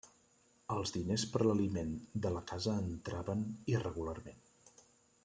Els diners per a l'aliment de la casa entraven irregularment.